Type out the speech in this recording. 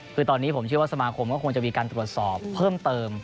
คือตอนนี้ผมเชื่อว่าสมาคมก็คงจะมีการตรวจสอบเพิ่มเติม